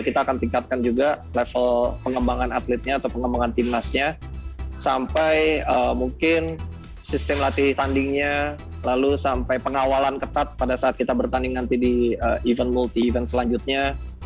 kita akan tingkatkan juga level pengembangan atletnya atau pengembangan timnasnya sampai mungkin sistem latih tandingnya lalu sampai pengawalan ketat pada saat kita bertanding nanti di event multi event selanjutnya